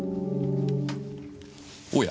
おや。